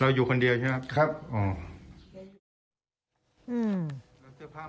ต้องอยู่คนเดียวใช่ไหมครับอ๋ออืมแล้วเจ้าพ่อมัน